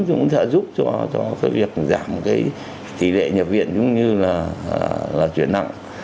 cũng sẽ giúp cho cái việc giảm cái tỷ lệ nhập viện giống như là chuyện nặng